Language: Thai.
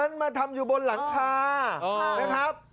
มันมาทำอยู่บนหลังคานะครับ